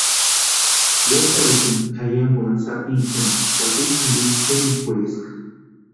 Wetarhisïnti ayankwani sapichani éska akwitsi janikwa cherhikwaeska.